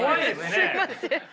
すみません！